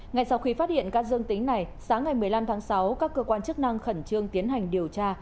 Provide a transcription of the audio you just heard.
ngay sau khi phát hiện các dương tính này sáng ngày một mươi năm tháng sáu các cơ quan chức năng khẩn trương tiến hành điều tra